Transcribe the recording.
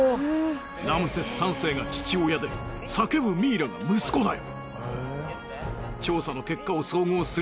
ラムセス３世が父親で叫ぶミイラが息子だよ。